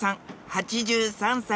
８３歳